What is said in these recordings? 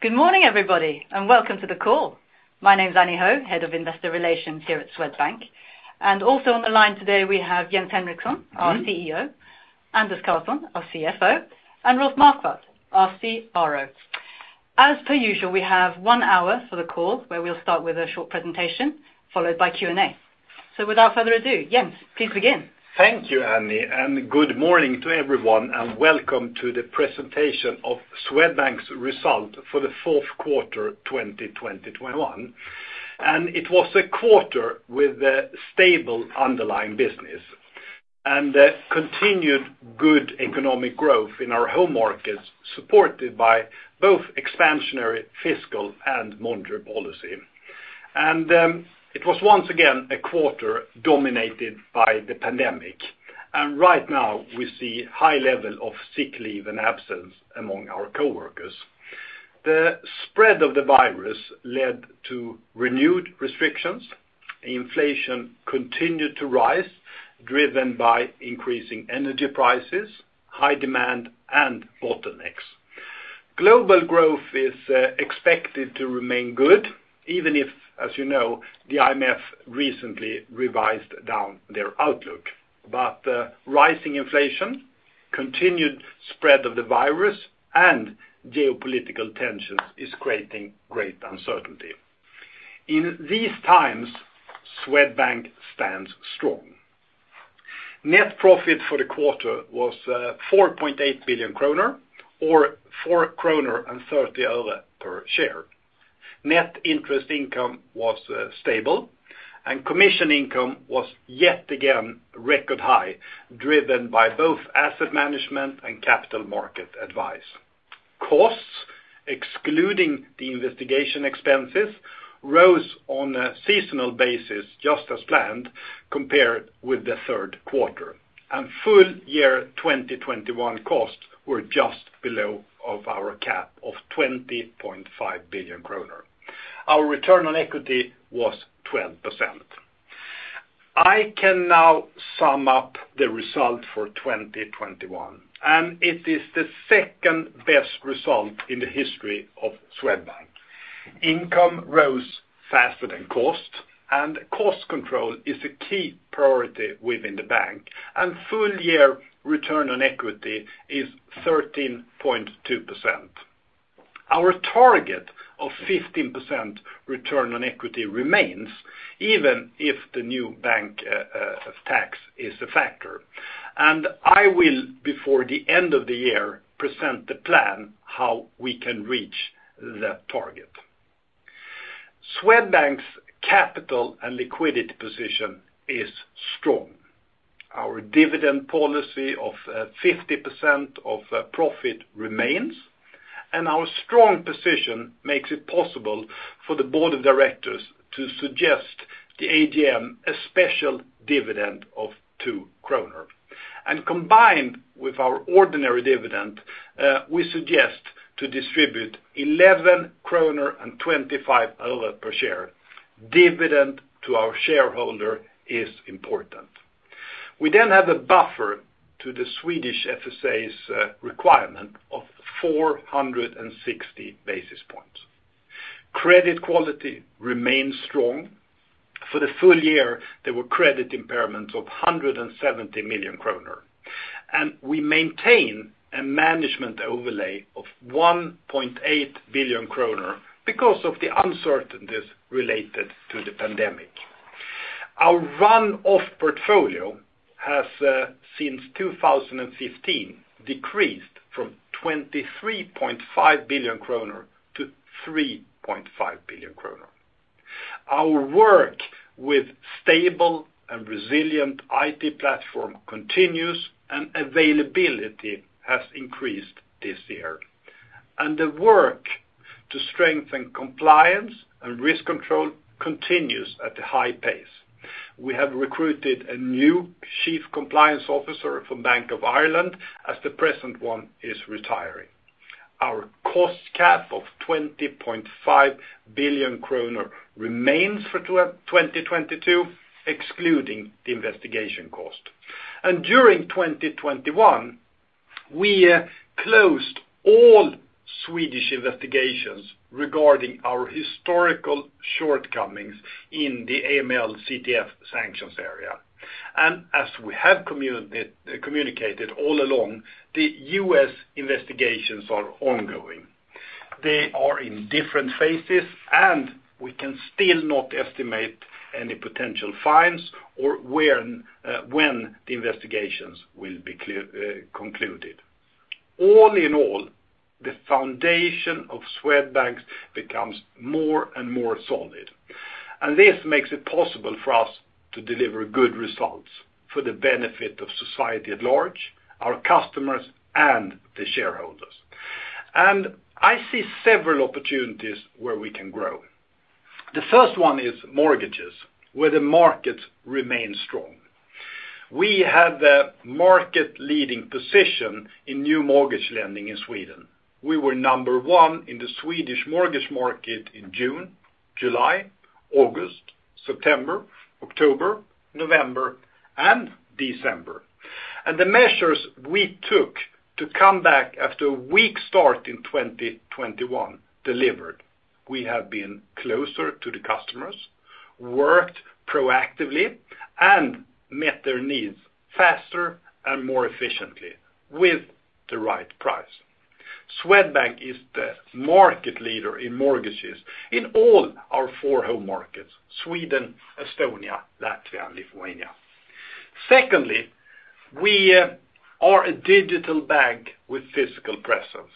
Good morning, everybody, and welcome to the call. My name is Annie Ho, Head of Investor Relations here at Swedbank. Also on the line today, we have Jens Henriksson, our CEO, Anders Karlsson, our CFO, and Rolf Marquardt, our CRO. As per usual, we have one hour for the call, where we'll start with a short presentation, followed by Q&A. Without further ado, Jens, please begin. Thank you, Annie, and good morning to everyone, and welcome to the presentation of Swedbank's result for the fourth quarter 2021. It was a quarter with a stable underlying business and a continued good economic growth in our home markets, supported by both expansionary fiscal and monetary policy. It was once again a quarter dominated by the pandemic. Right now, we see high level of sick leave and absence among our coworkers. The spread of the virus led to renewed restrictions. Inflation continued to rise, driven by increasing energy prices, high demand, and bottlenecks. Global growth is expected to remain good, even if, as you know, the IMF recently revised down their outlook. The rising inflation, continued spread of the virus, and geopolitical tensions is creating great uncertainty. In these times, Swedbank stands strong. Net profit for the quarter was 4.8 billion kronor, or SEK 4.30 per share. Net interest income was stable, and commission income was yet again record high, driven by both asset management and capital market advice. Costs, excluding the investigation expenses, rose on a seasonal basis just as planned compared with the third quarter. Full year 2021 costs were just below our cap of 20.5 billion kronor. Our return on equity was 12%. I can now sum up the result for 2021, and it is the second best result in the history of Swedbank. Income rose faster than cost, and cost control is a key priority within the bank, and full year return on equity is 13.2%. Our target of 15% return on equity remains even if the new bank tax is a factor. I will, before the end of the year, present the plan how we can reach that target. Swedbank's capital and liquidity position is strong. Our dividend policy of 50% of profit remains, and our strong position makes it possible for the board of directors to suggest to the AGM a special dividend of 2 kronor. Combined with our ordinary dividend, we suggest to distribute SEK 11.25 per share. Dividend to our shareholder is important. We then have a buffer to the Swedish FSA's requirement of 460 basis points. Credit quality remains strong. For the full year, there were credit impairments of 170 million kronor. We maintain a management overlay of 1.8 billion kronor because of the uncertainties related to the pandemic. Our run-off portfolio has since 2015 decreased from 23.5 billion kronor to 3.5 billion kronor. Our work with stable and resilient IT platform continues and availability has increased this year. The work to strengthen compliance and risk control continues at a high pace. We have recruited a new chief compliance officer from Bank of Ireland as the present one is retiring. Our cost cap of 20.5 billion kronor remains for 2022, excluding the investigation cost. During 2021, we closed all Swedish investigations regarding our historical shortcomings in the AML CTF sanctions area. As we have communicated all along, the U.S. investigations are ongoing. They are in different phases, and we can still not estimate any potential fines or when the investigations will be concluded. All in all, the foundation of Swedbank becomes more and more solid, and this makes it possible for us to deliver good results for the benefit of society at large, our customers, and the shareholders. I see several opportunities where we can grow. The first one is mortgages, where the markets remain strong. We have the market leading position in new mortgage lending in Sweden. We were number one in the Swedish mortgage market in June, July, August, September, October, November, and December. The measures we took to come back after a weak start in 2021 delivered. We have been closer to the customers, worked proactively, and met their needs faster and more efficiently with the right price. Swedbank is the market leader in mortgages in all our four home markets, Sweden, Estonia, Latvia, and Lithuania. Secondly, we are a digital bank with physical presence.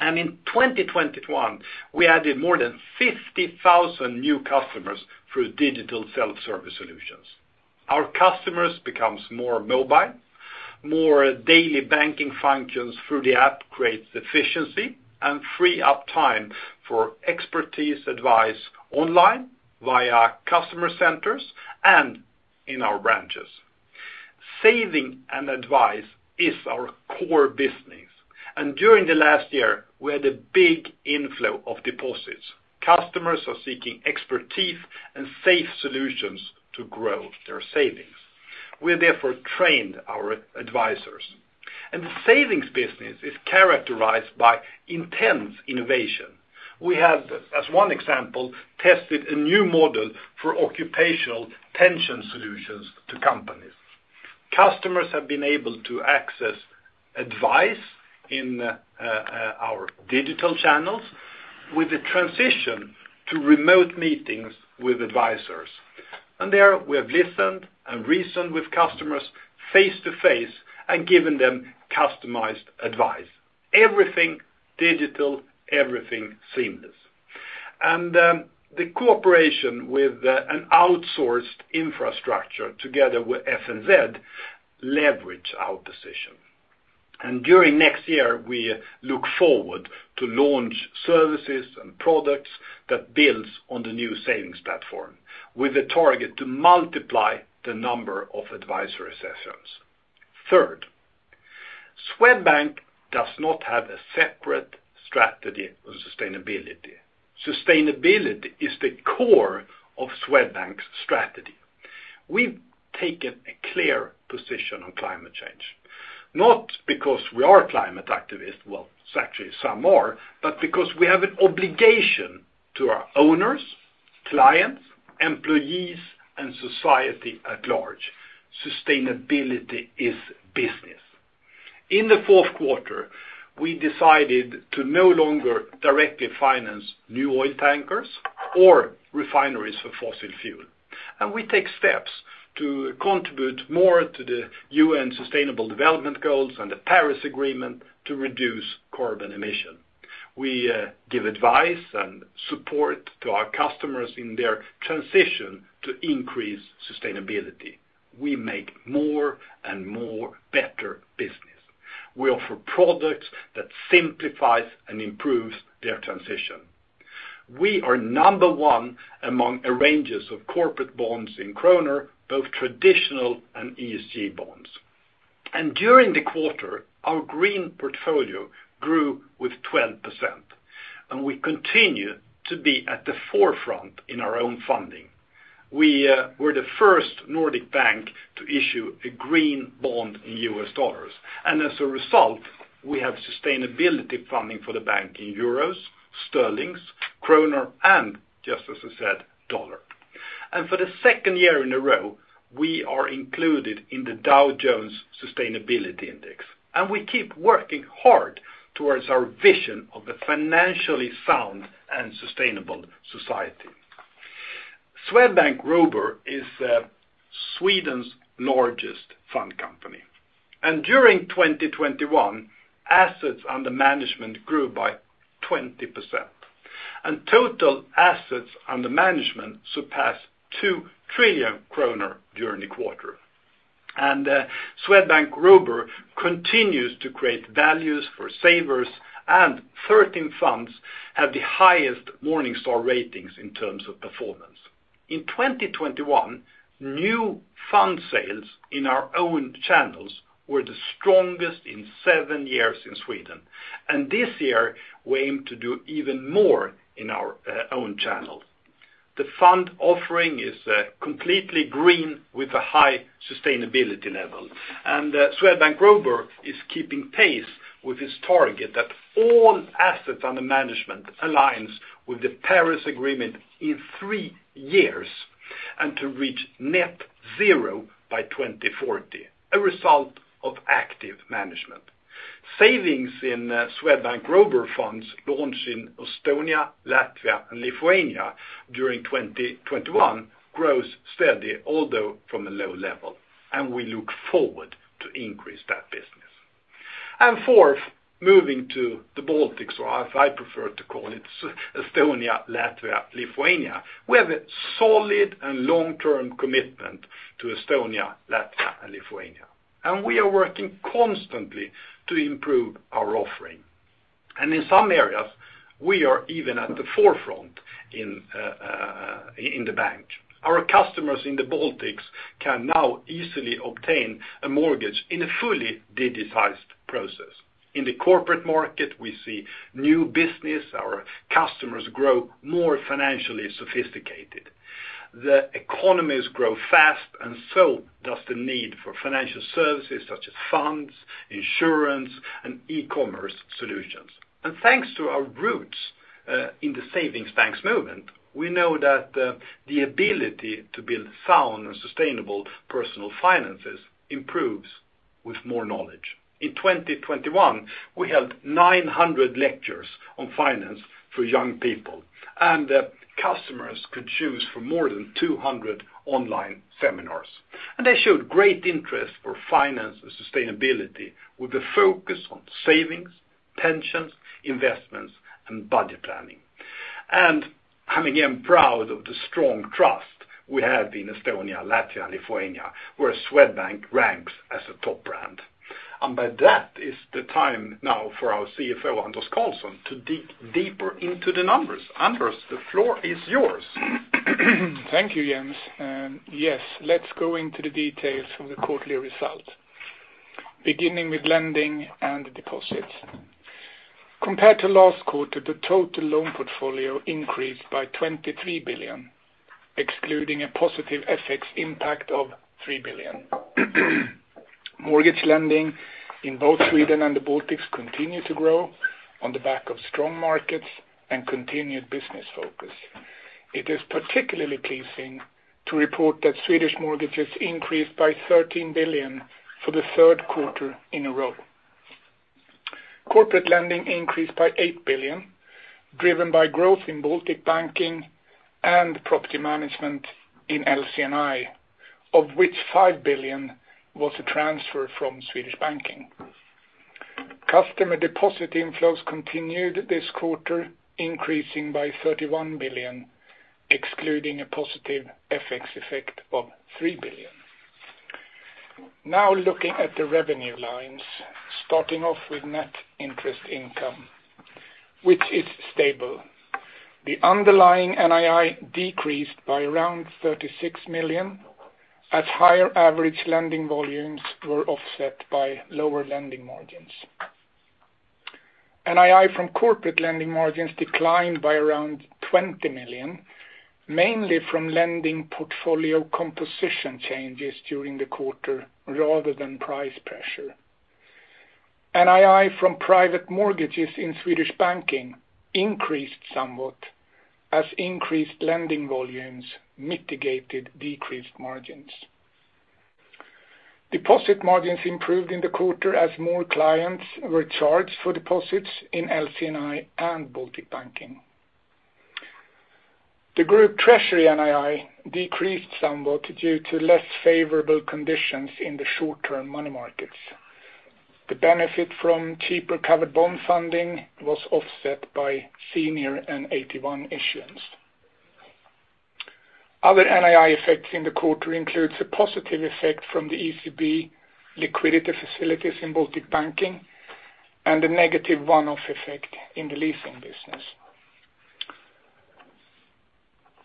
In 2021, we added more than 50,000 new customers through digital self-service solutions. Our customers becomes more mobile, more daily banking functions through the app creates efficiency and free up time for expert advice online via customer centers and in our branches. Saving and advice is our core business. During the last year, we had a big inflow of deposits. Customers are seeking expertise and safe solutions to grow their savings. We therefore trained our advisors. The savings business is characterized by intense innovation. We have, as one example, tested a new model for occupational pension solutions to companies. Customers have been able to access advice in our digital channels with a transition to remote meetings with advisors. There we have listened and reasoned with customers face to face and given them customized advice. Everything digital, everything seamless. The cooperation with an outsourced infrastructure together with FNZ leverage our position. During next year, we look forward to launch services and products that builds on the new savings platform with a target to multiply the number of advisory sessions. Third, Swedbank does not have a separate strategy on sustainability. Sustainability is the core of Swedbank's strategy. We've taken a clear position on climate change, not because we are climate activists, well, actually some are, but because we have an obligation to our owners, clients, employees, and society at large. Sustainability is business. In the fourth quarter, we decided to no longer directly finance new oil tankers or refineries for fossil fuel. We take steps to contribute more to the UN Sustainable Development Goals and the Paris Agreement to reduce carbon emission. We give advice and support to our customers in their transition to increase sustainability. We make more and more better business. We offer products that simplifies and improves their transition. We are number one among arrangers of corporate bonds in krona, both traditional and ESG bonds. During the quarter, our green portfolio grew with 12%, and we continue to be at the forefront in our own funding. We were the first Nordic bank to issue a Green Bond in U.S. dollars. As a result, we have sustainability funding for the bank in euros, sterlings, krona, and just as I said, dollar. For the second year in a row, we are included in the Dow Jones Sustainability Index, and we keep working hard towards our vision of a financially sound and sustainable society. Swedbank Robur is Sweden's largest fund company. During 2021, assets under management grew by 20%. Total assets under management surpassed 2 trillion kronor during the quarter. Swedbank Robur continues to create values for savers, and 13 funds have the highest Morningstar ratings in terms of performance. In 2021, new fund sales in our own channels were the strongest in seven years in Sweden. This year, we aim to do even more in our own channel. The fund offering is completely green with a high sustainability level. Swedbank Robur is keeping pace with its target that all assets under management aligns with the Paris Agreement in three years and to reach net zero by 2040, a result of active management. Savings in Swedbank Robur funds launched in Estonia, Latvia, and Lithuania during 2021 grows steady, although from a low level, and we look forward to increase that business. Fourth, moving to the Baltics, or as I prefer to call it, Estonia, Latvia, Lithuania. We have a solid and long-term commitment to Estonia, Latvia, and Lithuania, and we are working constantly to improve our offering. In some areas, we are even at the forefront in the bank. Our customers in the Baltics can now easily obtain a mortgage in a fully digitized process. In the corporate market, we see new business. Our customers grow more financially sophisticated. The economies grow fast and so does the need for financial services such as funds, insurance, and e-commerce solutions. Thanks to our roots in the savings banks movement, we know that the ability to build sound and sustainable personal finances improves with more knowledge. In 2021, we held 900 lectures on finance for young people, and customers could choose from more than 200 online seminars. They showed great interest for finance and sustainability with the focus on savings, pensions, investments, and budget planning. I'm again proud of the strong trust we have in Estonia, Latvia, and Lithuania, where Swedbank ranks as a top brand. With that, it's time now for our CFO, Anders Karlsson, to dig deeper into the numbers. Anders, the floor is yours. Thank you, Jens. Yes, let's go into the details from the quarterly result. Beginning with lending and deposits. Compared to last quarter, the total loan portfolio increased by 23 billion, excluding a positive FX impact of 3 billion. Mortgage lending in both Sweden and the Baltics continue to grow on the back of strong markets and continued business focus. It is particularly pleasing to report that Swedish mortgages increased by 13 billion for the third quarter in a row. Corporate lending increased by 8 billion, driven by growth in Baltic Banking and property management in LC&I, of which 5 billion was a transfer from Swedish Banking. Customer deposit inflows continued this quarter, increasing by 31 billion, excluding a positive FX effect of 3 billion. Now looking at the revenue lines, starting off with net interest income, which is stable. The underlying NII decreased by around 36 million, as higher average lending volumes were offset by lower lending margins. NII from corporate lending margins declined by around 20 million, mainly from lending portfolio composition changes during the quarter rather than price pressure. NII from private mortgages in Swedish Banking increased somewhat as increased lending volumes mitigated decreased margins. Deposit margins improved in the quarter as more clients were charged for deposits in LC&I and Baltic Banking. The group treasury NII decreased somewhat due to less favorable conditions in the short-term money markets. The benefit from cheaper covered bond funding was offset by senior and AT-1 issuance. Other NII effects in the quarter includes a positive effect from the ECB liquidity facilities in Baltic Banking and a negative one-off effect in the leasing business.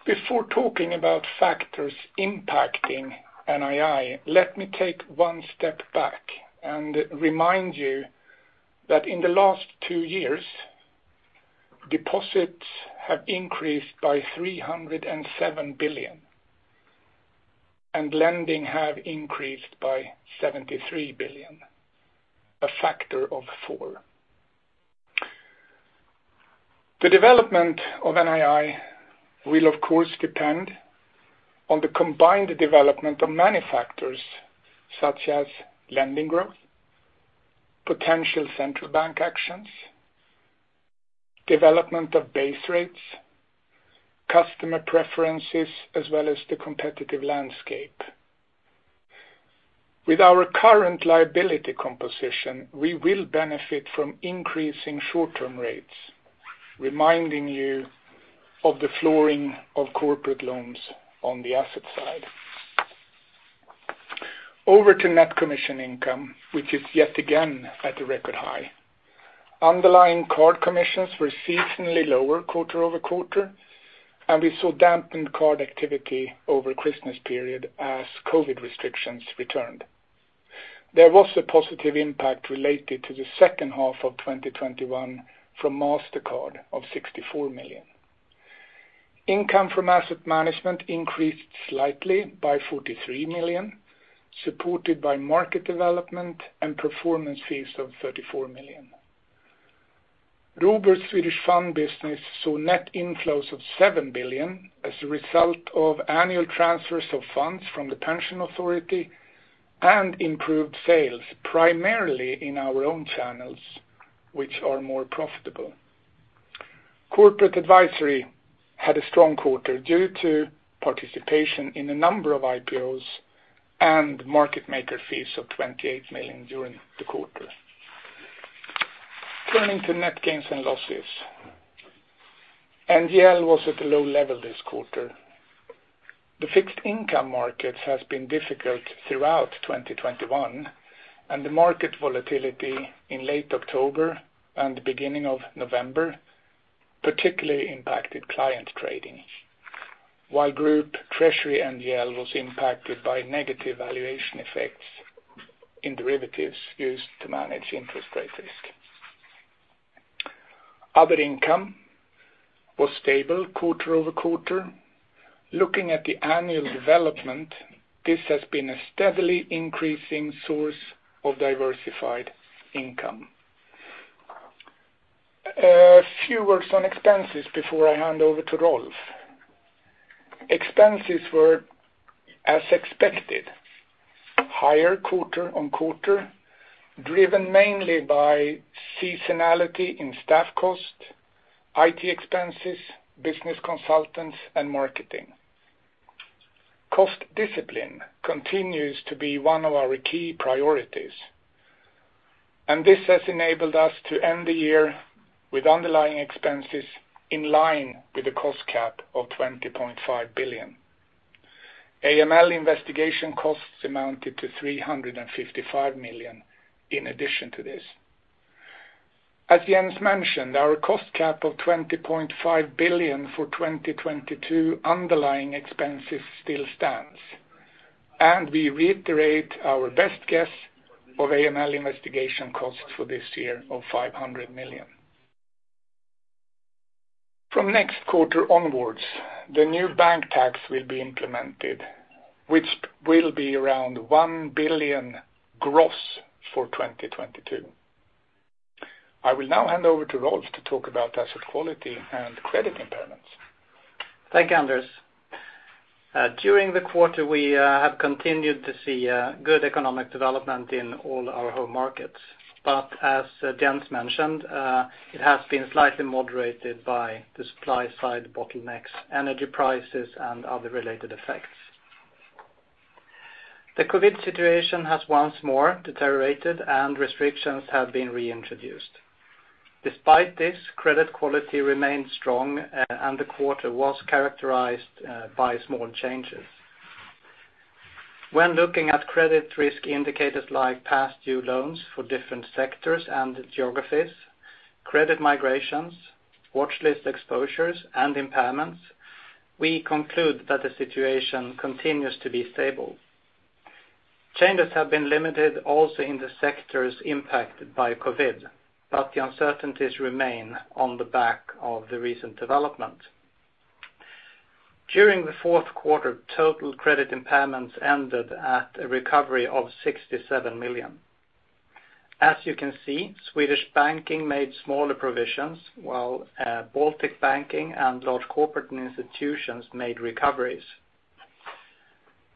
Before talking about factors impacting NII, let me take one step back and remind you that in the last two years, deposits have increased by 307 billion, and lending have increased by 73 billion, a factor of four. The development of NII will of course depend on the combined development of many factors such as lending growth, potential central bank actions, development of base rates, customer preferences, as well as the competitive landscape. With our current liability composition, we will benefit from increasing short-term rates, reminding you of the flooring of corporate loans on the asset side. Over to net commission income, which is yet again at a record high. Underlying card commissions were seasonally lower quarter-over-quarter, and we saw dampened card activity over Christmas period as COVID restrictions returned. There was a positive impact related to the second half of 2021 from Mastercard of 64 million. Income from asset management increased slightly by 43 million, supported by market development and performance fees of 34 million. Robur Swedish fund business saw net inflows of 7 billion as a result of annual transfers of funds from the pension authority and improved sales, primarily in our own channels, which are more profitable. Corporate advisory had a strong quarter due to participation in a number of IPOs and market maker fees of 28 million during the quarter. Turning to net gains and losses. NGL was at a low level this quarter. The fixed income market has been difficult throughout 2021, and the market volatility in late October and the beginning of November particularly impacted client trading. While Group Treasury NGL was impacted by negative valuation effects in derivatives used to manage interest rate risk. Other income was stable quarter-over-quarter. Looking at the annual development, this has been a steadily increasing source of diversified income. A few words on expenses before I hand over to Rolf. Expenses were as expected, higher quarter-over-quarter, driven mainly by seasonality in staff cost, IT expenses, business consultants, and marketing. Cost discipline continues to be one of our key priorities, and this has enabled us to end the year with underlying expenses in line with the cost cap of 20.5 billion. AML investigation costs amounted to 355 million in addition to this. As Jens mentioned, our cost cap of 20.5 billion for 2022 underlying expenses still stands, and we reiterate our best guess of AML investigation costs for this year of 500 million. From next quarter onwards, the new bank tax will be implemented, which will be around 1 billion gross for 2022. I will now hand over to Rolf to talk about asset quality and credit impairments. Thank you, Anders. During the quarter, we have continued to see a good economic development in all our home markets. As Jens mentioned, it has been slightly moderated by the supply-side bottlenecks, energy prices, and other related effects. The COVID situation has once more deteriorated and restrictions have been reintroduced. Despite this, credit quality remains strong and the quarter was characterized by small changes. When looking at credit risk indicators like past due loans for different sectors and geographies, credit migrations, watchlist exposures, and impairments, we conclude that the situation continues to be stable. Changes have been limited also in the sectors impacted by COVID, but the uncertainties remain on the back of the recent development. During the fourth quarter, total credit impairments ended at a recovery of 67 million. As you can see, Swedish Banking made smaller provisions, while Baltic Banking and Large Corporates and Institutions made recoveries.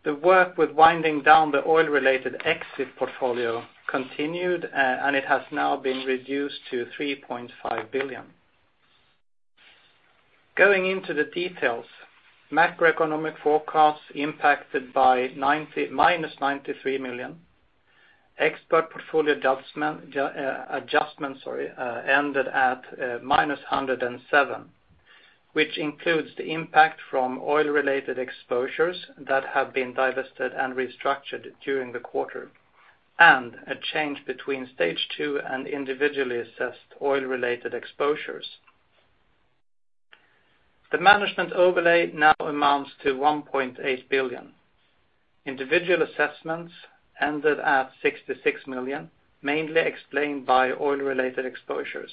The work with winding down the oil-related exit portfolio continued and it has now been reduced to 3.5 billion. Going into the details, macroeconomic forecasts impacted by -93 million. Expert portfolio adjustment ended at -107, which includes the impact from oil-related exposures that have been divested and restructured during the quarter, and a change between stage two and individually assessed oil-related exposures. The management overlay now amounts to 1.8 billion. Individual assessments ended at 66 million, mainly explained by oil-related exposures.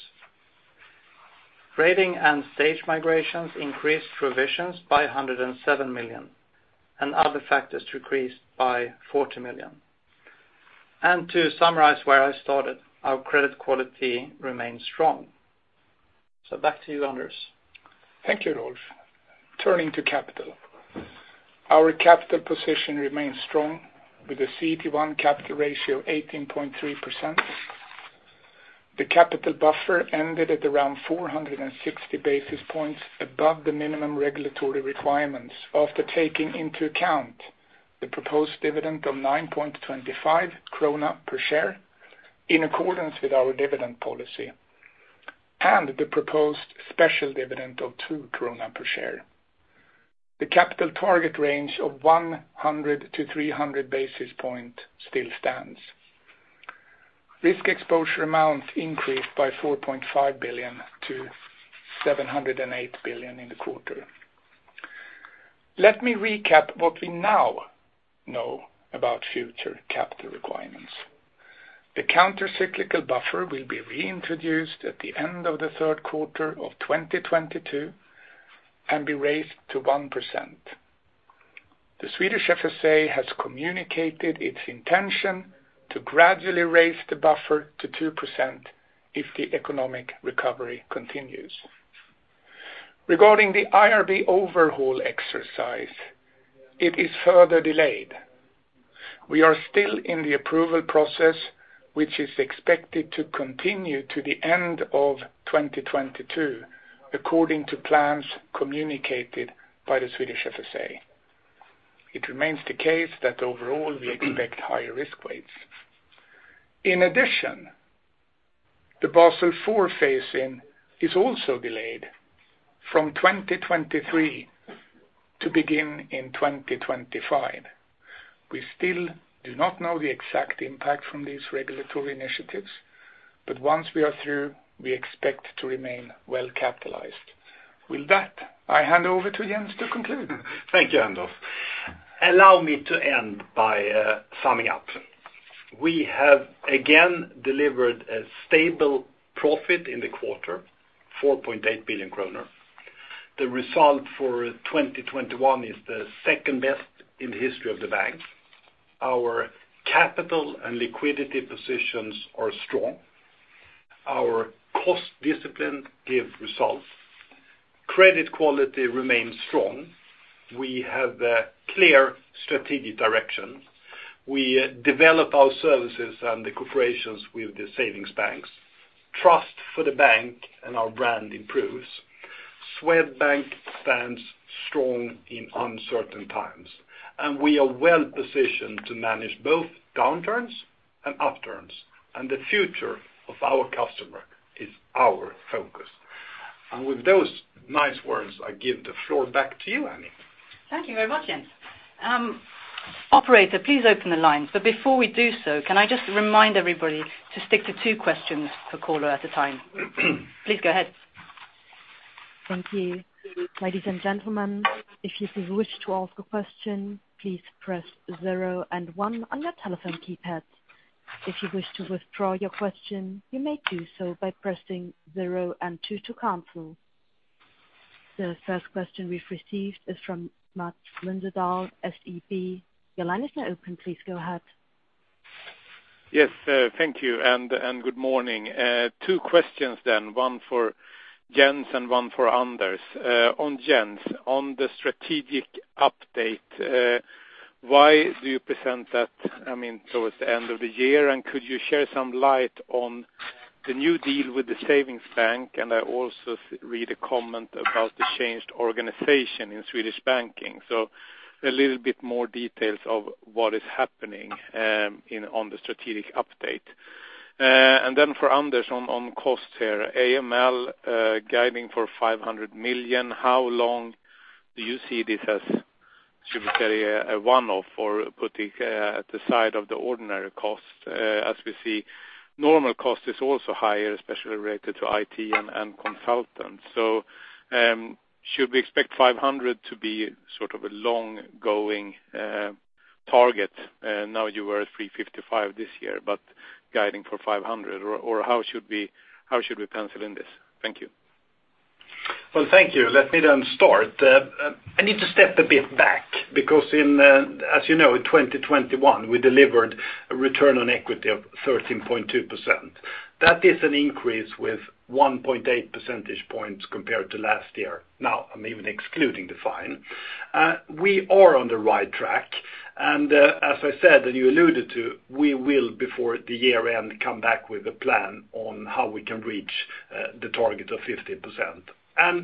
Grading and stage migrations increased provisions by 107 million, and other factors decreased by 40 million. To summarize where I started, our credit quality remains strong. Back to you, Anders. Thank you, Rolf. Turning to capital. Our capital position remains strong with the CET1 capital ratio 18.3%. The capital buffer ended at around 460 basis points above the minimum regulatory requirements after taking into account the proposed dividend of 9.25 krona per share in accordance with our dividend policy, and the proposed special dividend of 2 krona per share. The capital target range of 100-300 basis points still stands. Risk exposure amounts increased by 4.5 billion to 708 billion in the quarter. Let me recap what we now know about future capital requirements. The countercyclical buffer will be reintroduced at the end of the third quarter of 2022 and be raised to 1%. The Swedish FSA has communicated its intention to gradually raise the buffer to 2% if the economic recovery continues. Regarding the IRB overhaul exercise, it is further delayed. We are still in the approval process, which is expected to continue to the end of 2022, according to plans communicated by the Swedish FSA. It remains the case that overall we expect higher risk weights. In addition, the Basel IV phase-in is also delayed from 2023 to begin in 2025. We still do not know the exact impact from these regulatory initiatives, but once we are through, we expect to remain well-capitalized. With that, I hand over to Jens to conclude. Thank you, Anders. Allow me to end by summing up. We have again delivered a stable profit in the quarter, 4.8 billion kronor. The result for 2021 is the second best in the history of the bank. Our capital and liquidity positions are strong. Our cost discipline give results. Credit quality remains strong. We have a clear strategic direction. We develop our services and the cooperation with the savings banks. Trust for the bank and our brand improves. Swedbank stands strong in uncertain times, and we are well-positioned to manage both downturns and upturns, and the future of our customer is our focus. With those nice words, I give the floor back to you, Annie. Thank you very much, Jens. Operator, please open the lines. Before we do so, can I just remind everybody to stick to two questions per caller at a time. Please go ahead. Thank you. Ladies and gentlemen, if you wish to ask a question, please press zero and one on your telephone keypad. If you wish to withdraw your question, you may do so by pressing zero and two to cancel. The first question we've received is from Maths Liljedahl, SEB. Your line is now open. Please go ahead. Yes, thank you and good morning. Two questions then, one for Jens and one for Anders. On Jens, on the strategic update, why do you present that, I mean, towards the end of the year? Could you shed some light on the new deal with the savings bank? I also read a comment about the changed organization in Swedish Banking. A little bit more details of what is happening on the strategic update. Then for Anders on costs here. AML guiding for 500 million, how long do you see this as, should we say a one-off or put it at the side of the ordinary cost, as we see normal cost is also higher, especially related to IT and consultants. Should we expect SEK 500 million to be sort of a long-going target? Now you were at SEK 355 million this year, but guiding for SEK 500 million or how should we pencil in this? Thank you. Well, thank you. Let me then start. I need to step a bit back because, as you know, in 2021, we delivered a return on equity of 13.2%. That is an increase with 1.8 percentage points compared to last year. Now, even excluding the fine, we are on the right track. As I said, and you alluded to, we will before the year end come back with a plan on how we can reach the target of 15%. As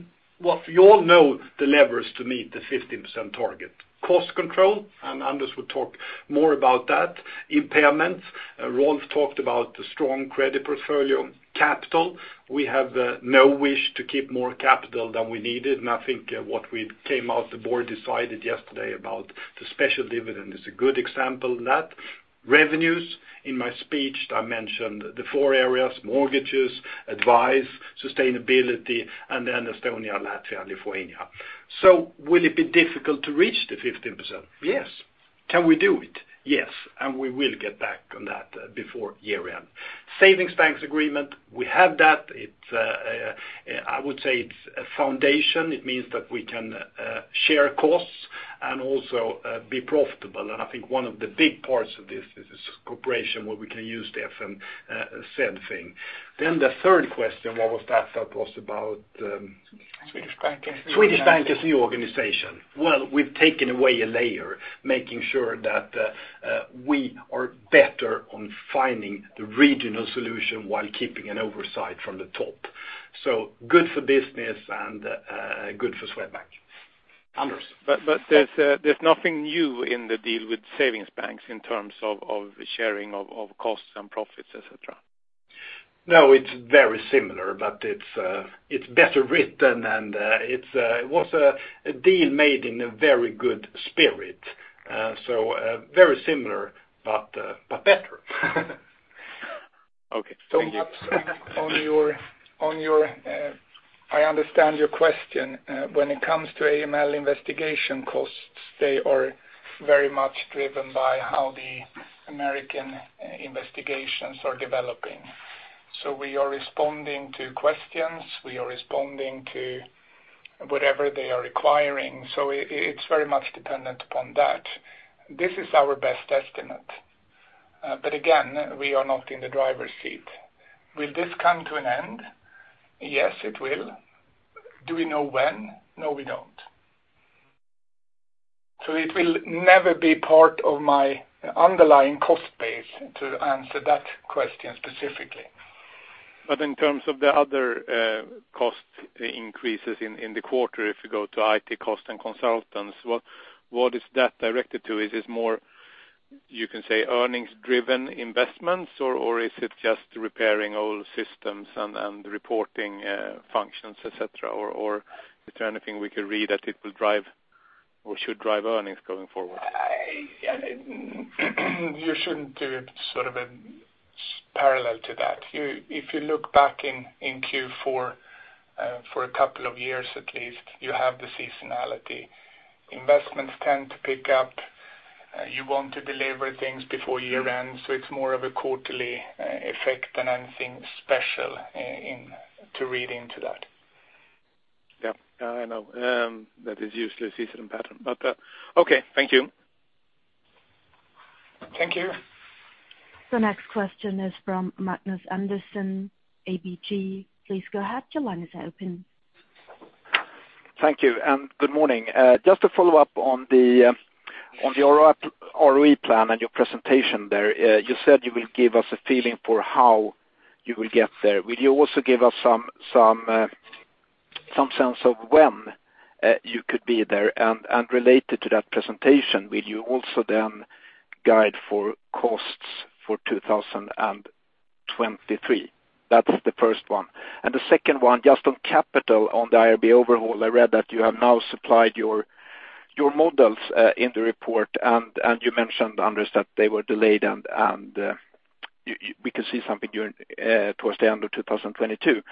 you all know, the levers to meet the 15% target, cost control, and Anders will talk more about that. Impairments, Rolf talked about the strong credit portfolio. Capital, we have no wish to keep more capital than we needed. I think what we came out the board decided yesterday about the special dividend is a good example of that. Revenues, in my speech, I mentioned the four areas, mortgages, advice, sustainability, and then Estonia, Latvia, and Lithuania. Will it be difficult to reach the 15%? Yes. Can we do it? Yes. We will get back on that before year end. Savings banks agreement, we have that. It's, I would say it's a foundation. It means that we can share costs and also be profitable. I think one of the big parts of this is this corporation where we can use the FNZ said thing. The third question, what was that? That was about, Swedbank. Swedbank's new organization. Well, we've taken away a layer, making sure that we are better on finding the regional solution while keeping an oversight from the top. Good for business and good for Swedbank. Anders. There's nothing new in the deal with savings banks in terms of sharing of costs and profits, et cetera. No, it's very similar, but it's better written and it was a deal made in a very good spirit. Very similar, but better. Okay. Thank you. Maths, I understand your question. When it comes to AML investigation costs, they are very much driven by how the American investigations are developing. We are responding to questions. We are responding to whatever they are requiring. It's very much dependent upon that. This is our best estimate. But again, we are not in the driver's seat. Will this come to an end? Yes, it will. Do we know when? No, we don't. It will never be part of my underlying cost base to answer that question specifically. In terms of the other cost increases in the quarter, if you go to IT cost and consultants, what is that directed to? Is this more, you can say earnings driven investments or is it just repairing old systems and reporting functions, et cetera? Or is there anything we could read that it will drive or should drive earnings going forward? I, you shouldn't do sort of a. Parallel to that. If you look back in Q4 for a couple of years at least, you have the seasonality. Investments tend to pick up. You want to deliver things before year end, so it's more of a quarterly effect than anything special in to read into that. Yeah. Yeah, I know. That is usually a seasonal pattern. Okay, thank you. Thank you. The next question is from Magnus Andersson, ABG. Please go ahead, your line is open. Thank you, and good morning. Just to follow up on your ROE plan and your presentation there. You said you will give us a feeling for how you will get there. Will you also give us some sense of when you could be there? And related to that presentation, will you also then guide for costs for 2023? That's the first one. The second one, just on capital on the IRB overhaul, I read that you have now supplied your models in the report, and you mentioned, Anders, that they were delayed and we could see something towards the end of 2022.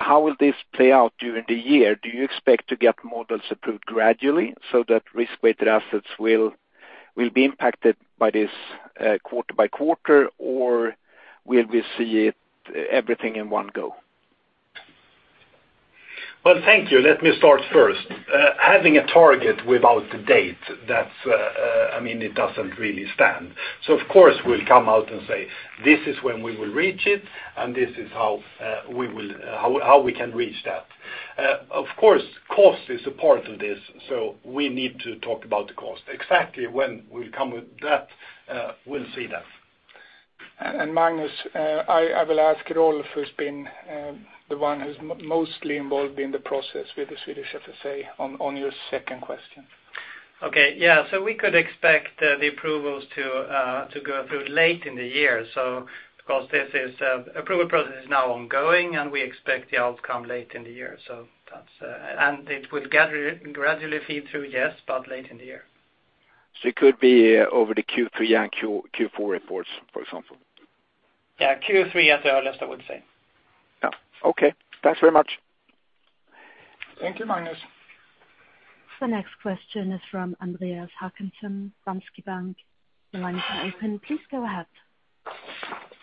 How will this play out during the year? Do you expect to get models approved gradually so that risk-weighted assets will be impacted by this, quarter by quarter or will we see it, everything in one go? Well, thank you. Let me start first. Having a target without the date, that's, I mean, it doesn't really stand. Of course, we'll come out and say, "This is when we will reach it, and this is how we can reach that." Of course, cost is a part of this, so we need to talk about the cost. Exactly when we'll come with that, we'll see that. Magnus, I will ask Rolf who's been the one who's mostly involved in the process with the Swedish FSA on your second question. Okay. Yeah, we could expect the approvals to go through late in the year because this approval process is now ongoing, and we expect the outcome late in the year. It will rather gradually feed through, yes, but late in the year. It could be over the Q3 and Q4 reports, for example? Yeah, Q3 at the earliest, I would say. Yeah. Okay. Thanks very much. Thank you, Magnus. The next question is from Andreas Hakansson, Danske Bank. Your line is open, please go ahead.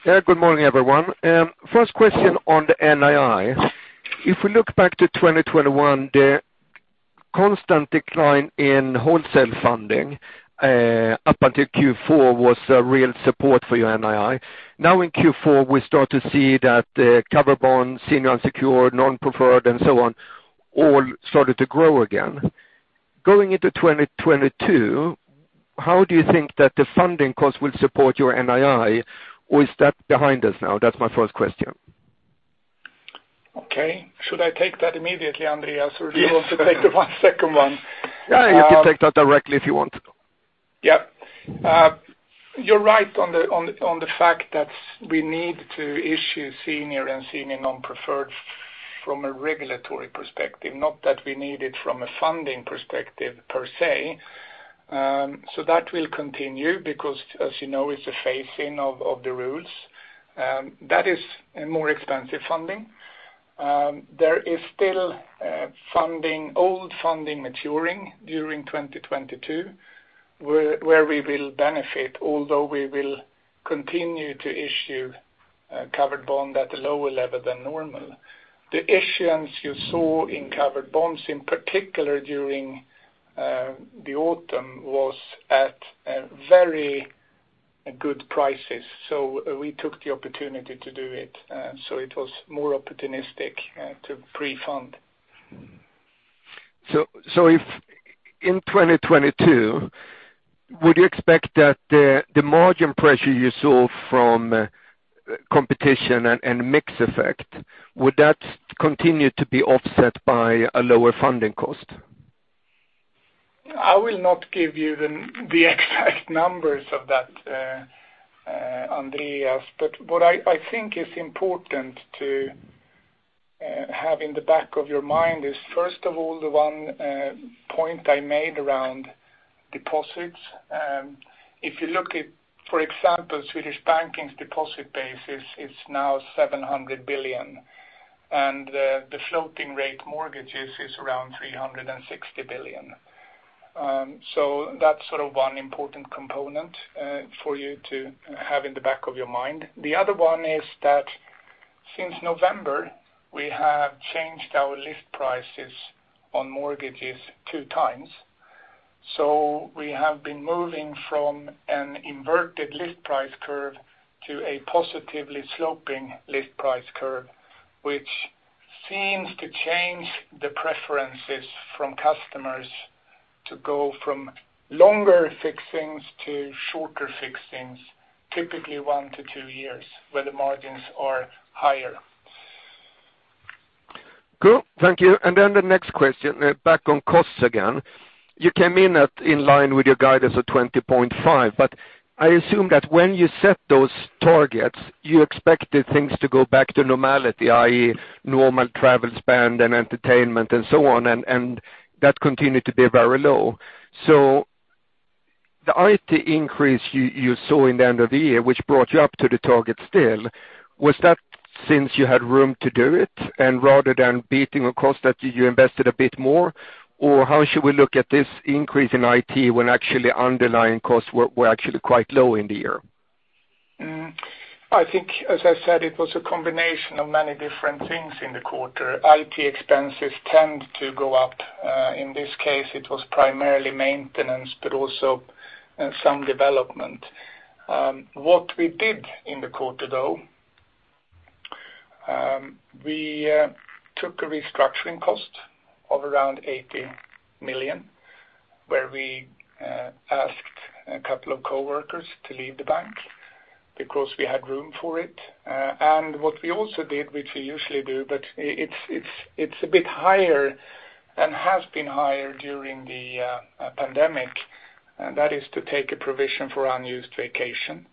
Yeah, good morning, everyone. First question on the NII. If we look back to 2021, the constant decline in wholesale funding up until Q4 was a real support for your NII. Now in Q4, we start to see that covered bonds, senior unsecured, non-preferred, and so on all started to grow again. Going into 2022, how do you think that the funding costs will support your NII, or is that behind us now? That's my first question. Okay. Should I take that immediately, Andreas? Yes. Do you want to take the one, second one? Yeah, you can take that directly if you want to. Yeah. You're right on the fact that we need to issue senior and senior non-preferred from a regulatory perspective, not that we need it from a funding perspective per se. That will continue because as you know, it's a phase-in of the rules. That is a more expensive funding. There is still funding, old funding maturing during 2022 where we will benefit, although we will continue to issue covered bond at a lower level than normal. The issuance you saw in covered bonds, in particular during the autumn, was at very good prices. We took the opportunity to do it. It was more opportunistic to pre-fund. If in 2022, would you expect that the margin pressure you saw from competition and mix effect would continue to be offset by a lower funding cost? I will not give you the exact numbers of that, Andreas. What I think is important to have in the back of your mind is, first of all, the one point I made around deposits. If you look at, for example, Swedish Banking's deposit base is now 700 billion, and the floating rate mortgages is around 360 billion. That's sort of one important component for you to have in the back of your mind. The other one is that since November, we have changed our list prices on mortgages two times. We have been moving from an inverted list price curve to a positively sloping list price curve, which seems to change the preferences from customers to go from longer fixings to shorter fixings, typically one to two years, where the margins are higher. Cool. Thank you. The next question, back on costs again. You came in in line with your guidance of 20.5 billion, but I assume that when you set those targets, you expected things to go back to normality, i.e., normal travel spend and entertainment and so on, and that continued to be very low. The IT increase you saw in the end of the year, which brought you up to the target still, was that since you had room to do it and rather than beating a cost that you invested a bit more? Or how should we look at this increase in IT when actually underlying costs were actually quite low in the year? I think as I said, it was a combination of many different things in the quarter. IT expenses tend to go up. In this case, it was primarily maintenance, but also some development. What we did in the quarter, though, we took a restructuring cost of around 80 million, where we asked a couple of coworkers to leave the bank because we had room for it. What we also did, which we usually do, but it's a bit higher and has been higher during the pandemic, and that is to take a provision for unused vacation.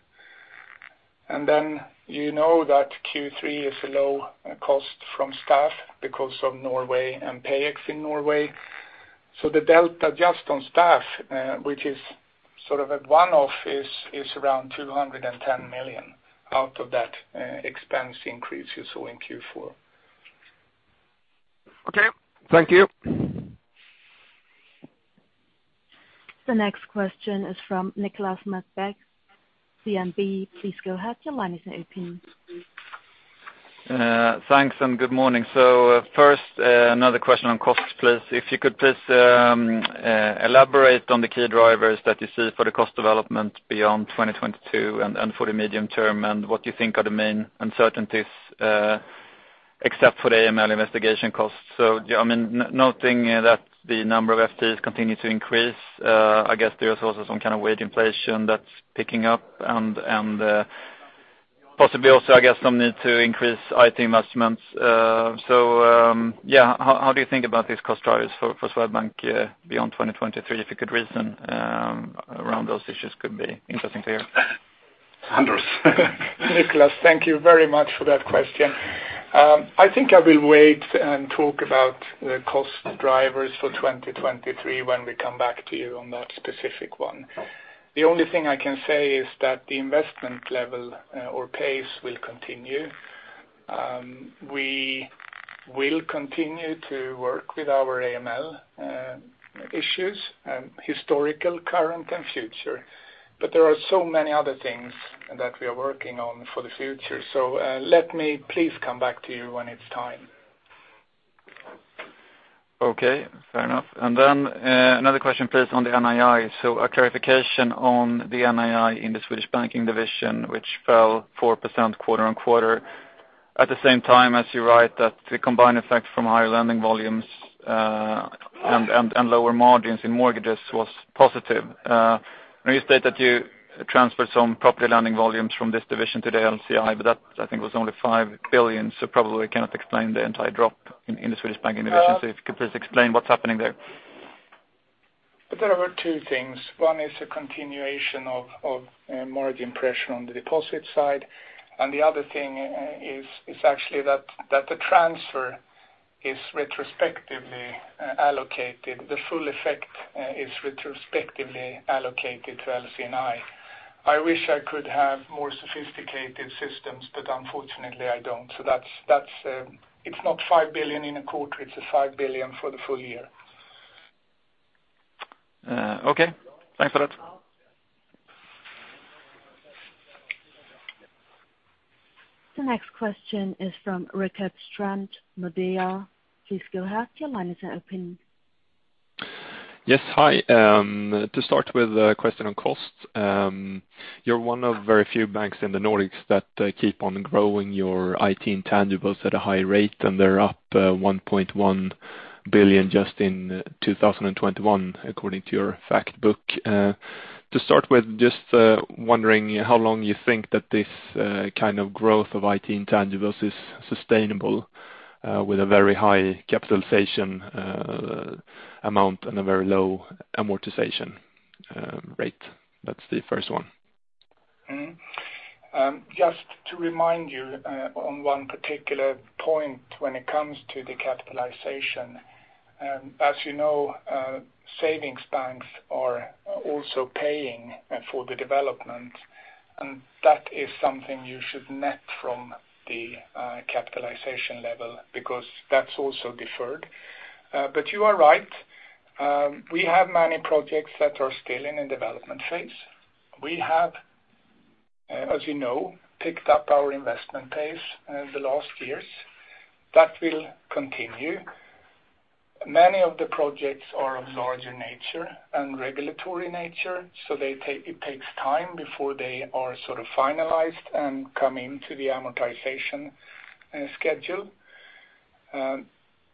You know that Q3 is a low cost from staff because of Norway and PayEx in Norway. The delta just on staff, which is sort of a one-off, is around 210 million out of that expense increase you saw in Q4. Okay. Thank you. The next question is from Nicolas McBeath, DNB. Please go ahead, your line is open. Thanks and good morning. First, another question on costs, please. If you could please elaborate on the key drivers that you see for the cost development beyond 2022 and for the medium term, and what you think are the main uncertainties, except for the AML investigation costs. Yeah, I mean, noting that the number of FTEs continue to increase, I guess there is also some kind of wage inflation that's picking up and possibly also, I guess, some need to increase IT investments. Yeah. How do you think about these cost drivers for Swedbank beyond 2023? If you could reason around those issues, it could be interesting to hear. Nicolas, thank you very much for that question. I think I will wait and talk about the cost drivers for 2023 when we come back to you on that specific one. The only thing I can say is that the investment level, or pace will continue. We will continue to work with our AML issues, historical, current and future. There are so many other things that we are working on for the future. Let me please come back to you when it's time. Okay, fair enough. Another question please on the NII. A clarification on the NII in the Swedish Banking division, which fell 4% quarter-on-quarter. At the same time as you write that the combined effect from higher lending volumes and lower margins in mortgages was positive. You state that you transferred some property lending volumes from this division to the LC&I, but that I think was only 5 billion, so probably cannot explain the entire drop in the Swedish Banking division. Uh- If you could please explain what's happening there. There were two things. One is a continuation of mortgage pressure on the deposit side, and the other thing is actually that the transfer is retrospectively allocated. The full effect is retrospectively allocated to LC&I. I wish I could have more sophisticated systems, but unfortunately I don't. That's not 5 billion in a quarter, it's 5 billion for the full year. Okay. Thanks for that. The next question is from Rickard Strand, Nordea. Please go ahead, your line is open. Yes. Hi. To start with a question on costs. You're one of very few banks in the Nordics that keep on growing your IT intangibles at a high rate, and they're up 1.1 billion just in 2021 according to your fact book. To start with, just wondering how long you think that this kind of growth of IT intangibles is sustainable with a very high capitalization amount and a very low amortization rate. That's the first one. Just to remind you, on one particular point when it comes to the capitalization. As you know, savings banks are also paying for the development, and that is something you should net from the capitalization level because that's also deferred. You are right. We have many projects that are still in a development phase. We have, as you know, picked up our investment pace in the last years. That will continue. Many of the projects are of larger nature and regulatory nature, so it takes time before they are sort of finalized and come into the amortization schedule.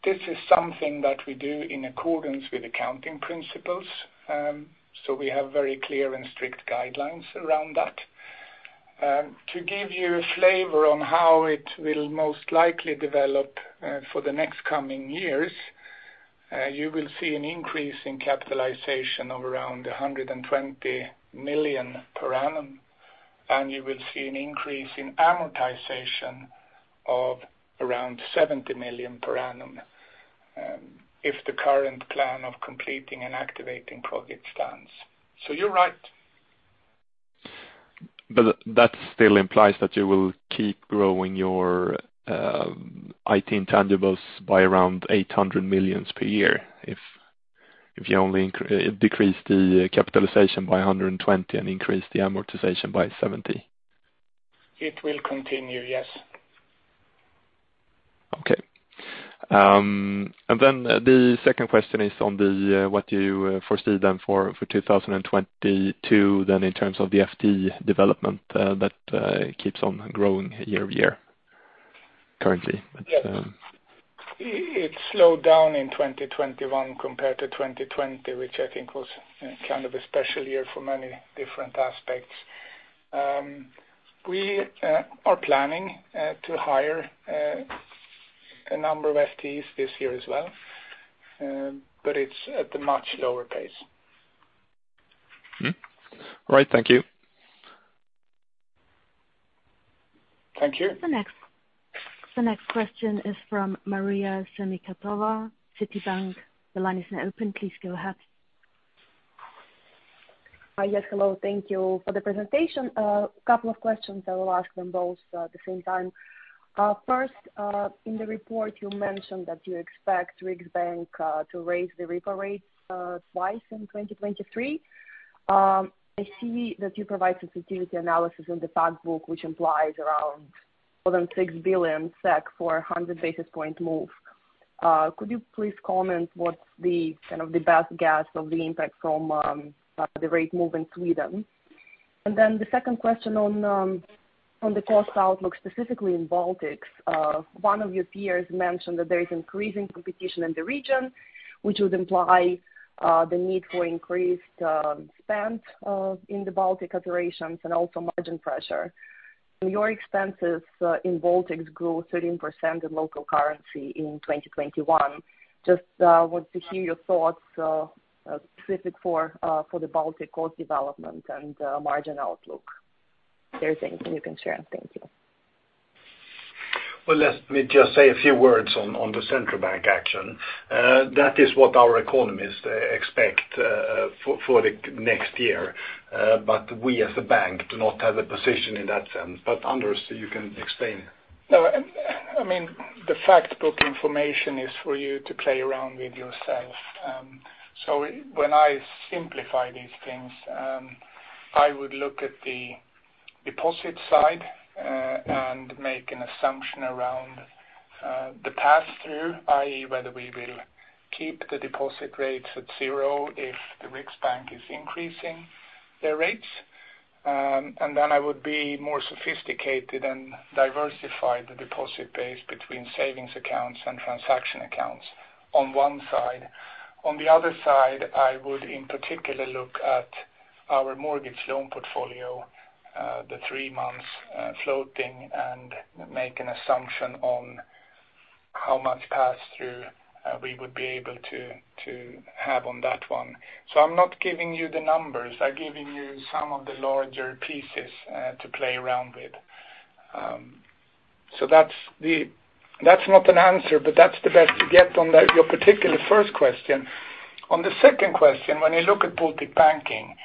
This is something that we do in accordance with accounting principles, so we have very clear and strict guidelines around that. To give you a flavor on how it will most likely develop for the next coming years, you will see an increase in capitalization of around 120 million per annum. You will see an increase in amortization of around 70 million per annum, if the current plan of completing and activating projects stands. You're right. that still implies that you will keep growing your IT intangibles by around 800 million per year if you only decrease the capitalization by 120 million and increase the amortization by 70 million. It will continue, yes. Okay. The second question is on what you foresee for 2022 in terms of the FTE development that keeps on growing year over year currently. Yes. It slowed down in 2021 compared to 2020, which I think was kind of a special year for many different aspects. We are planning to hire a number of FTEs this year as well, but it's at a much lower pace. All right. Thank you. Thank you. The next question is from Maria Semikhatova, Citi. The line is now open. Please go ahead. Yes, hello. Thank you for the presentation. A couple of questions. I will ask them both at the same time. First, in the report you mentioned that you expect Riksbank to raise the repo rate twice in 2023. I see that you provide sensitivity analysis in the fact book, which implies around more than 6 billion SEK for a 100 basis point move. Could you please comment what's the kind of the best guess of the impact from the rate move in Sweden? The second question on the cost outlook, specifically in Baltics. One of your peers mentioned that there is increasing competition in the region, which would imply the need for increased spend in the Baltic operations and also margin pressure. Your expenses in Baltics grew 13% in local currency in 2021. Just want to hear your thoughts specific for the Baltic cost development and margin outlook, if there is anything you can share. Thank you. Well, let me just say a few words on the central bank action. That is what our economists expect for the next year. We as a bank do not have a position in that sense. Anders, you can explain. No, I mean, the fact book information is for you to play around with yourself. When I simplify these things, I would look at the deposit side and make an assumption around the pass-through, i.e., whether we will keep the deposit rates at zero if the Riksbank is increasing their rates. I would be more sophisticated and diversify the deposit base between savings accounts and transaction accounts on one side. On the other side, I would in particular look at our mortgage loan portfolio, the three months floating, and make an assumption on how much pass-through we would be able to have on that one. I'm not giving you the numbers. I'm giving you some of the larger pieces to play around with. That's the... That's not an answer, but that's the best you get on the, your particular first question. On the second question, when you look at Baltic Banking,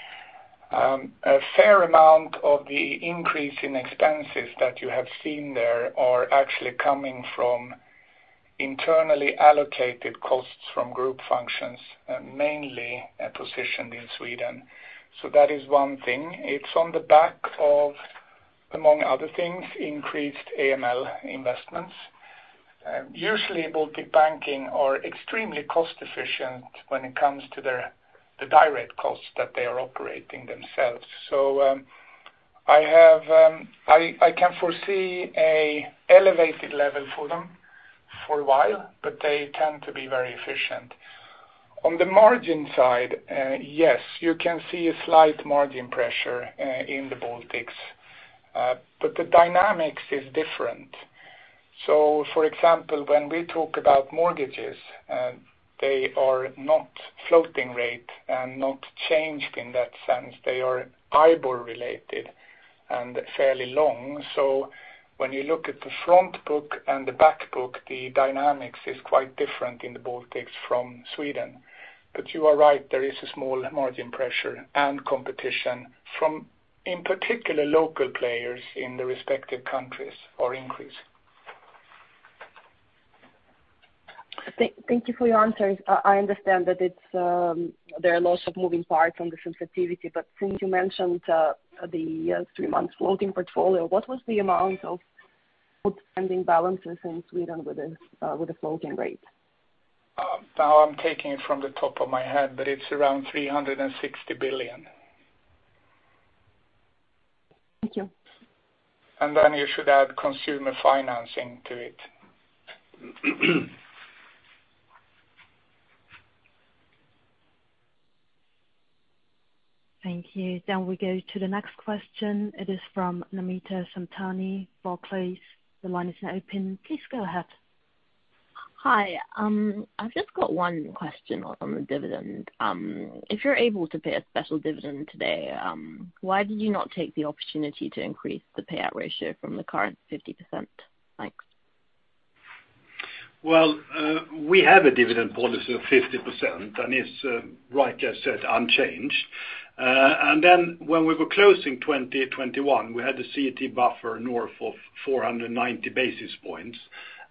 a fair amount of the increase in expenses that you have seen there are actually coming from internally allocated costs from group functions, mainly positioned in Sweden. That is one thing. It's on the back of, among other things, increased AML investments. Usually Baltic Banking are extremely cost efficient when it comes to their, the direct costs that they are operating themselves. I can foresee a elevated level for them for a while, but they tend to be very efficient. On the margin side, yes, you can see a slight margin pressure in the Baltics. The dynamics is different. For example, when we talk about mortgages, they are not floating rate and not changed in that sense. They are IBOR-related and fairly long. When you look at the front book and the back book, the dynamics is quite different in the Baltics from Sweden. You are right, there is a small margin pressure and competition from, in particular, local players in the respective countries are increasing. Thank you for your answers. I understand that there are lots of moving parts on the sensitivity, but since you mentioned the three-month floating portfolio, what was the amount of outstanding balances in Sweden with the floating rate? Now I'm taking it off the top of my head, but it's around 360 billion. Thank you. You should add consumer financing to it. Thank you. We go to the next question. It is from Namita Samtani, Barclays. The line is now open. Please go ahead. Hi. I've just got one question on the dividend. If you're able to pay a special dividend today, why did you not take the opportunity to increase the payout ratio from the current 50%? Thanks. Well, we have a dividend policy of 50%, and it's right as said unchanged. When we were closing 2021, we had the CET1 buffer north of 490 basis points,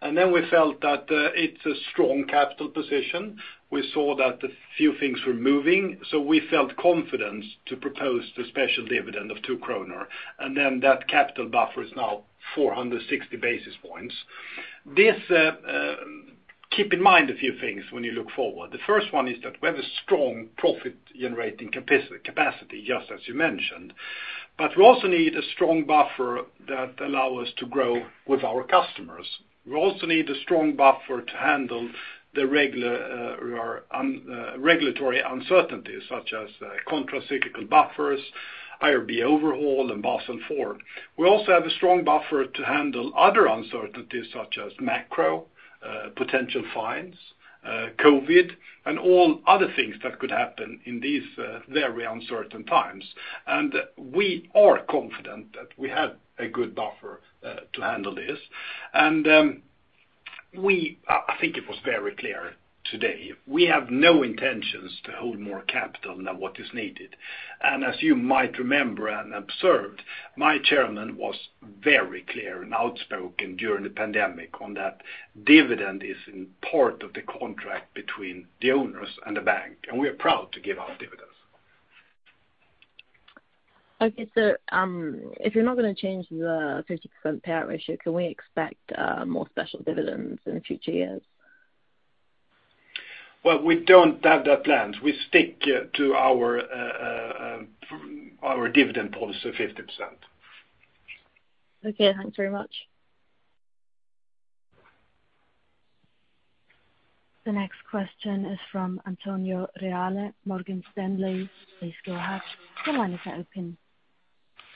and then we felt that it's a strong capital position. We saw that a few things were moving, so we felt confidence to propose the special dividend of 2 kronor, and then that capital buffer is now 460 basis points. This, keep in mind a few things when you look forward. The first one is that we have a strong profit-generating capacity, just as you mentioned. We also need a strong buffer that allow us to grow with our customers. We also need a strong buffer to handle the regular or regulatory uncertainties such as countercyclical buffers, IRB overhaul, and Basel IV. We also have a strong buffer to handle other uncertainties such as macro, potential fines, COVID, and all other things that could happen in these very uncertain times. We are confident that we have a good buffer to handle this. I think it was very clear today. We have no intentions to hold more capital than what is needed. As you might remember and observed, my chairman was very clear and outspoken during the pandemic on that dividend is in part of the contract between the owners and the bank, and we are proud to give out dividends. Okay. If you're not gonna change the 50% payout ratio, can we expect more special dividends in the future years? Well, we don't have that planned. We stick to our dividend policy of 50%. Okay, thanks very much. The next question is from Antonio Reale, Morgan Stanley. Please go ahead. Your line is open.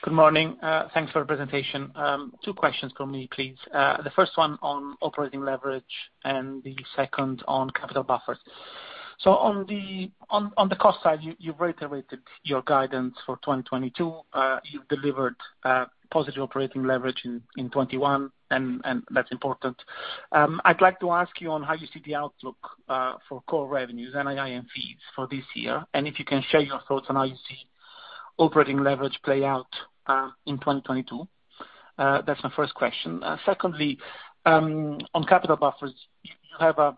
Good morning. Thanks for the presentation. Two questions from me, please. The first one on operating leverage and the second on capital buffers. On the cost side, you've reiterated your guidance for 2022. You've delivered positive operating leverage in 2021, and that's important. I'd like to ask you on how you see the outlook for core revenues, NII and fees for this year, and if you can share your thoughts on how you see operating leverage play out in 2022. That's my first question. Secondly, on capital buffers, you have a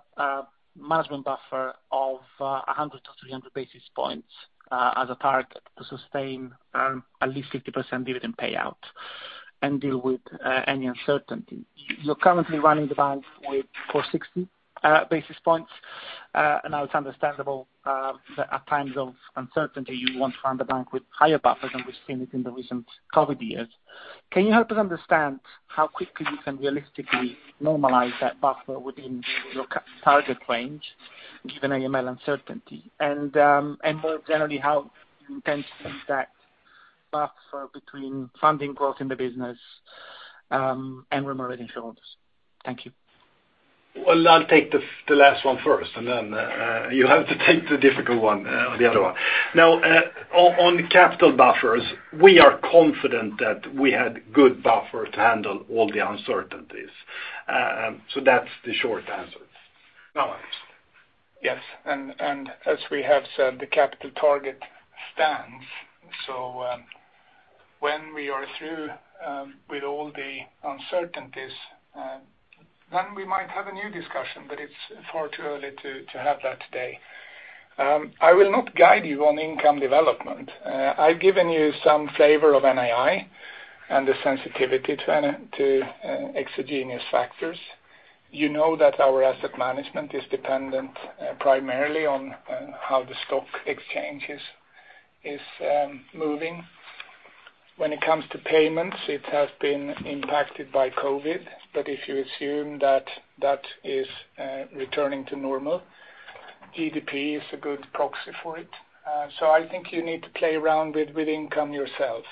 management buffer of 100 basis points-300 basis points as a target to sustain at least 50% dividend payout and deal with any uncertainty. You're currently running the bank with 460 basis points. I know it's understandable that at times of uncertainty you want to run the bank with higher buffers, and we've seen it in the recent COVID years. Can you help us understand how quickly you can realistically normalize that buffer within your target range given AML uncertainty? More generally, how you intend to keep that buffer between funding growth in the business and remunerating shareholders? Thank you. Well, I'll take the last one first, and then you have to take the difficult one, the other one. Now, on capital buffers, we are confident that we have good buffer to handle all the uncertainties. So that's the short answer. Yes. As we have said, the capital target stands. When we are through with all the uncertainties, then we might have a new discussion, but it's far too early to have that today. I will not guide you on income development. I've given you some flavor of NII and the sensitivity to exogenous factors. You know that our asset management is dependent primarily on how the stock exchange is moving. When it comes to payments, it has been impacted by COVID, but if you assume that is returning to normal, GDP is a good proxy for it. I think you need to play around with income yourself.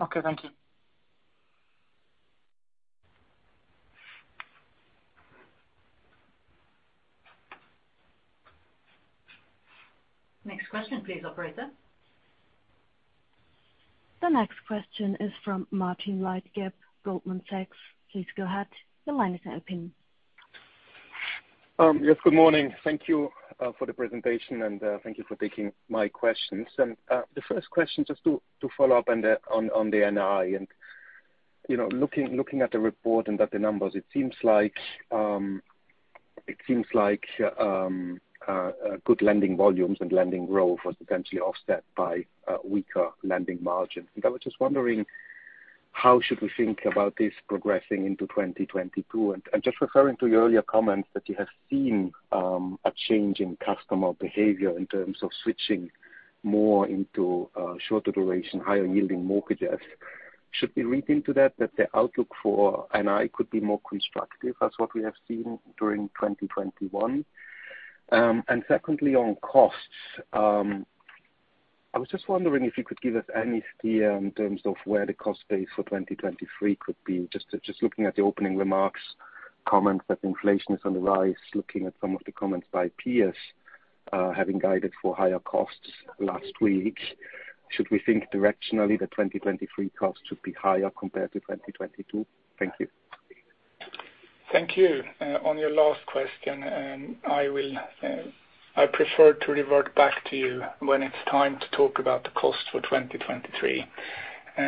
Okay, thank you. Next question, please, operator. The next question is from Martin Leitgeb, Goldman Sachs. Please go ahead. Your line is open. Yes, good morning. Thank you for the presentation, and thank you for taking my questions. The first question just to follow up on the NII. You know, looking at the report and at the numbers, it seems like good lending volumes and lending growth was potentially offset by weaker lending margins. I was just wondering how should we think about this progressing into 2022? Just referring to your earlier comments that you have seen a change in customer behavior in terms of switching more into shorter duration, higher yielding mortgages, should we read into that the outlook for NII could be more constructive as what we have seen during 2021? Secondly, on costs, I was just wondering if you could give us any steer in terms of where the cost base for 2023 could be. Just looking at the opening remarks comment that inflation is on the rise, looking at some of the comments by peers, having guided for higher costs last week, should we think directionally the 2023 costs should be higher compared to 2022? Thank you. Thank you. On your last question, I prefer to revert back to you when it's time to talk about the cost for 2023.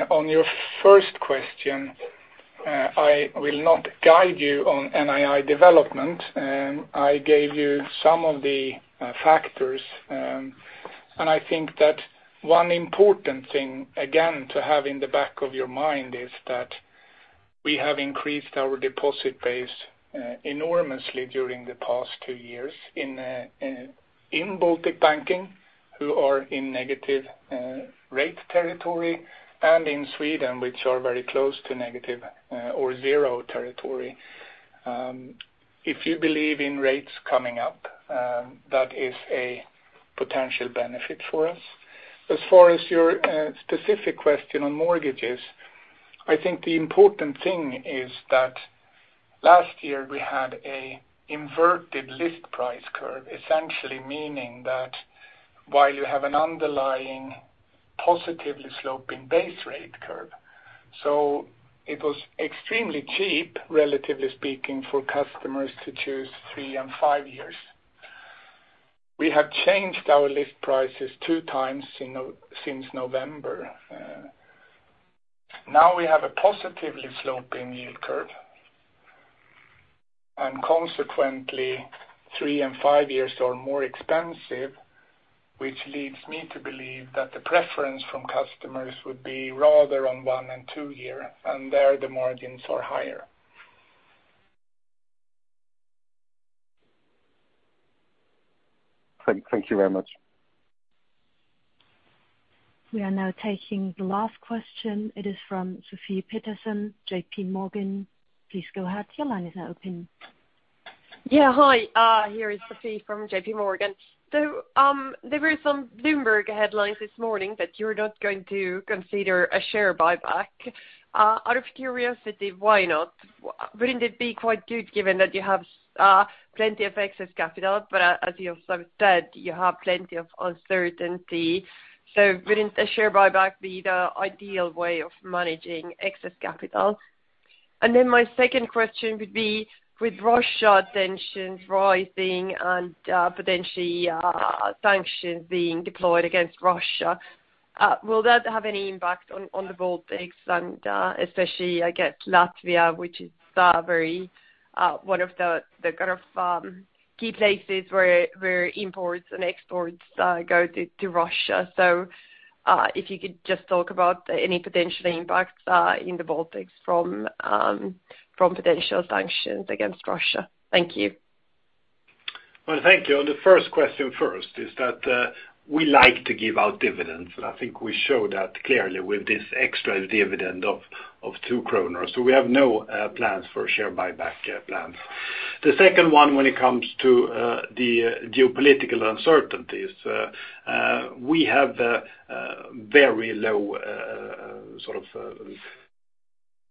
On your first question, I will not guide you on NII development. I gave you some of the factors. I think that one important thing, again, to have in the back of your mind is that we have increased our deposit base enormously during the past two years in Baltic Banking who are in negative rate territory and in Sweden which are very close to negative or zero territory. If you believe in rates coming up, that is a potential benefit for us. As far as your specific question on mortgages, I think the important thing is that last year we had an inverted list price curve, essentially meaning that while you have an underlying positively sloping base rate curve, so it was extremely cheap, relatively speaking, for customers to choose three and five years. We have changed our list prices two times since November. Now we have a positively sloping yield curve. Consequently, three and five years are more expensive, which leads me to believe that the preference from customers would be rather on one and two year, and there the margins are higher. Thank you very much. We are now taking the last question. It is from Sofie Peterzens, JPMorgan. Please go ahead, your line is now open. Yeah, hi. Here is Sofie from JPMorgan. There were some Bloomberg headlines this morning that you're not going to consider a share buyback. Out of curiosity, why not? Wouldn't it be quite good given that you have plenty of excess capital? As you have said, you have plenty of uncertainty. Wouldn't a share buyback be the ideal way of managing excess capital? My second question would be, with Russian tensions rising and potentially sanctions being deployed against Russia, will that have any impact on the Baltics and especially, I guess, Latvia, which is very one of the kind of key places where imports and exports go to Russia? If you could just talk about any potential impacts in the Baltics from potential sanctions against Russia. Thank you. Well, thank you. On the first question first is that we like to give out dividends, and I think we show that clearly with this extra dividend of 2 kronor. We have no plans for share buyback. The second one when it comes to the geopolitical uncertainties,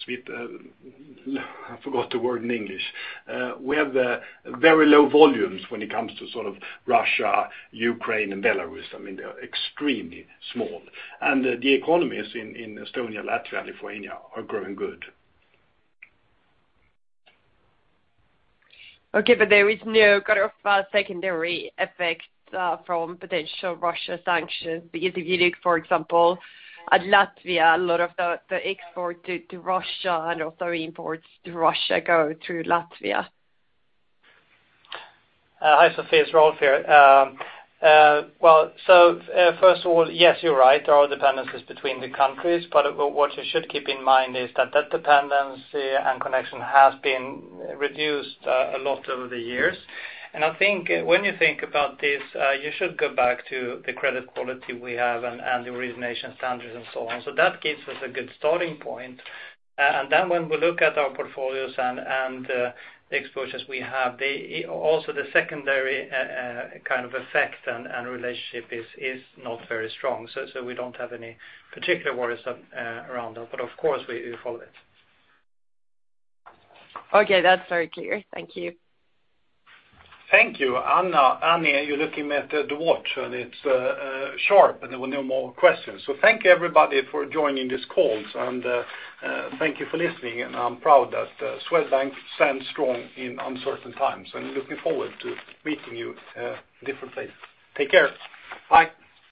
we have very low volumes when it comes to sort of Russia, Ukraine, and Belarus. I mean, they are extremely small. The economies in Estonia, Latvia, and Lithuania are growing good. Okay, there is no kind of secondary effects from potential Russia sanctions? Because if you look, for example, at Latvia, a lot of the export to Russia and also imports to Russia go through Latvia. Hi Sofie, it's Rolf here. Well, first of all, yes, you're right. There are dependencies between the countries, but what you should keep in mind is that dependency and connection has been reduced a lot over the years. I think when you think about this, you should go back to the credit quality we have and the origination standards and so on. That gives us a good starting point. When we look at our portfolios and the exposures we have, also the secondary kind of effect and relationship is not very strong. We don't have any particular worries around that. Of course we follow it. Okay, that's very clear. Thank you. Thank you. Annie, are you looking at the watch? It's sharp and there were no more questions. Thank you everybody for joining this call and thank you for listening. I'm proud that Swedbank stands strong in uncertain times, and looking forward to meeting you different days. Take care. Bye.